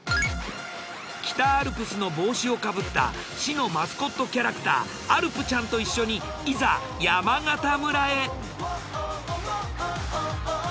北アルプスの帽子をかぶった市のマスコットキャラクターアルプちゃんと一緒にいざ山形村へ。